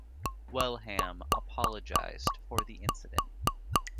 Wellham apologised for the incident.